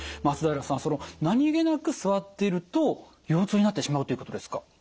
松平さん何気なく座っていると腰痛になってしまうということですか？